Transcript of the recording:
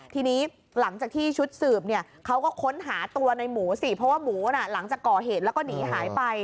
ทีนี้หลังจากที่ชุดสืบเขาก็ค้นหาตัวในหมูสิเพราะว่าหมูหลังจากก่อเหตุแล้วก็หนีหายไป